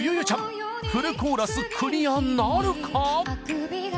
ちゃんフルコーラスクリアなるか？